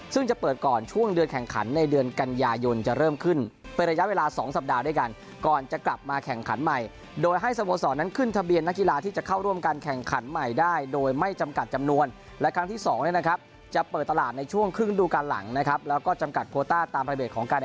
ซึ่งจะเปิดก่อนช่วงเดือนแข่งขันในเดือนกันยายนจะเริ่มขึ้นเป็นระยะเวลา๒สัปดาห์ด้วยกันก่อนจะกลับมาแข่งขันใหม่โดยให้สโมสรนั้นขึ้นทะเบียนนักกีฬาที่จะเข้าร่วมการแข่งขันใหม่ได้โดยไม่จำกัดจำนวนและครั้งที่๒เนี่ยนะครับจะเปิดตลาดในช่วงครึ่งดูการหลังนะครับแล้วก็จำกัดของการ